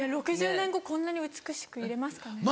６０年後こんなに美しくいれますかね。